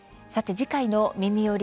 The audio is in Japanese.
次回の「みみより！